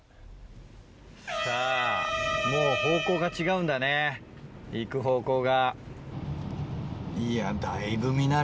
さぁもう方向が違うんだね行く方向が。